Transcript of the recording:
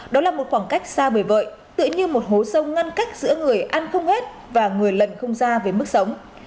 đó là một khoảng cách xa bời vợi tựa như một hố sâu ngăn cách giữa người ăn không hết và người lần không ra với mức sống